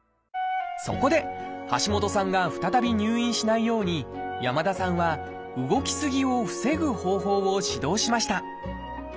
そこで橋下さんが再び入院しないように山田さんは動きすぎを防ぐ方法を指導しました。